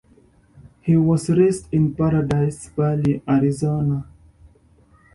He was raised in Paradise Valley, Arizona.